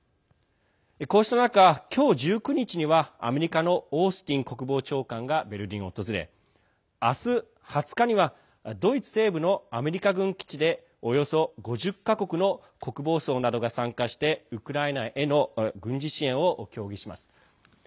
こうした中、今日１９日にはアメリカのオースティン国防長官がベルリンを訪れ明日、２０日にはドイツ西部のアメリカ軍基地でおよそ５０か国の国防相などが参加してウクライナへの軍事支援を協議します。